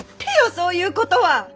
そういうことは！